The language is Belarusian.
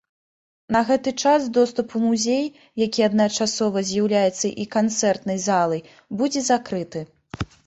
На гэты час доступ у музей, які адначасова з'яўляецца і канцэртнай залай, будзе закрыты.